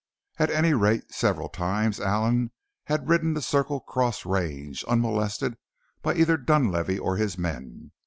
At any rate several times Allen had ridden the Circle Cross range unmolested by either Dunlavey or his men.